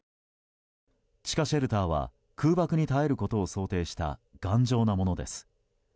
地下シェルターは空爆に耐えることを想定した頑丈なものです。